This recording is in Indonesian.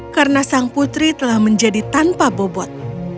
karena sang putri telah menjadi tanpa bobot